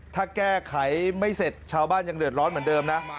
ถ้าแก้ไขไม่เสร็จชาวบ้านยังเดือดร้อนเหมือนเดิมนะ